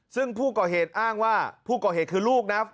ซึ่งผู้ก่อเหตุอ้างว่าผู้ก่อเหตุคือลูกนะ